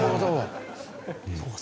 そうか。